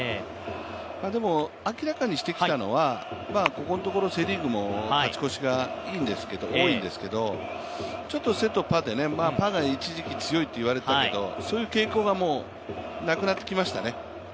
でも明らかにしてきたのが、ここのところセ・リーグも勝ち越しがいいんですけど多いんですけど、ちょっとセとパで、パが一時期強いと言われたけどそういう傾向がもうなくなってきましたね。